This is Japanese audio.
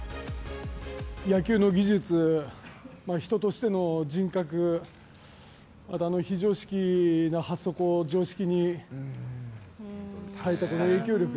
野球の技術、人としての人格、あと非常識な発想を常識に変えた影響力。